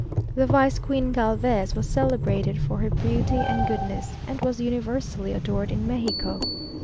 The Vice Queen Galvez, was celebrated for her beauty and goodness, and was universally adored in Mexico.